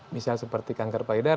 misal seperti kanker paliida